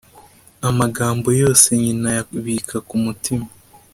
amagambo yose nyina ayabika ku mutima